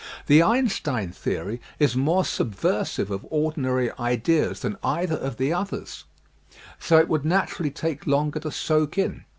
The Einstein theory is more subversive of ordinary ideas than either of the others so it would naturally take longer to soak in.